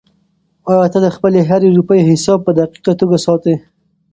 آیا ته د خپلې هرې روپۍ حساب په دقیقه توګه ساتې؟